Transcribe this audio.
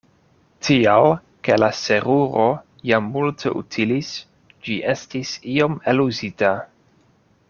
Tial ke la seruro jam multe utilis, ĝi estis iom eluzita.